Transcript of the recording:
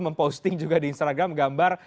memposting juga di instagram gambar